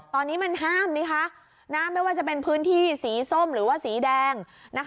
ตอนนี้มันห้ามไม่ว่าจะเป็นพื้นที่สีส้มหรือว่าสีแดง